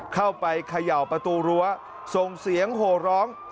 เข้าไปเขย่าประตูรั้วส่งเสียงโหร้อง